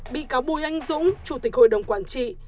bị cáo bùi anh dũng chủ tịch hội đồng quản trị